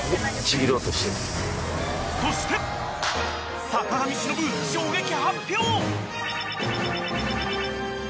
そして坂上忍、衝撃発表。